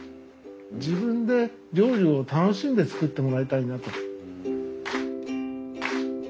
自分で料理を楽しんで作ってもらいたいなと。